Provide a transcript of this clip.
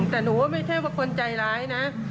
แต่หนูว่าไม่ใช่ว่าคนใจร้ายนะ